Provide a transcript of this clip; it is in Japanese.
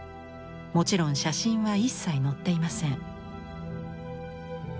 もちろん写真は一切載っていません。